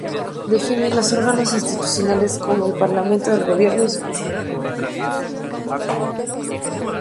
Define los órganos institucionales como el Parlamento, el Gobierno y su Presidente.